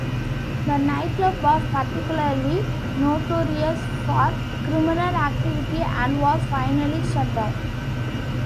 The nightclub was particularly notorious for criminal activity and was finally shut down.